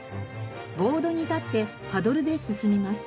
ボードに立ってパドルで進みます。